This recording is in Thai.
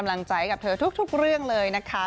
กำลังใจเท่าไหร่ดึงเลยนะคะ